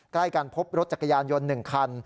ใกล้กันพบรถจักรยานยนต์๑คัน